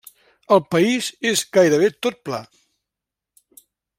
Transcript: El país és gairebé tot pla.